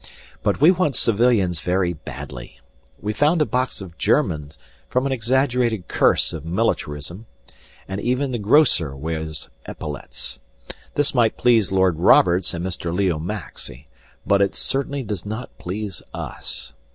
But we want civilians very badly. We found a box of German from an exaggerated curse of militarism, and even the grocer wears epaulettes. This might please Lord Roberts and Mr. Leo Maxse, but it certainly does not please us.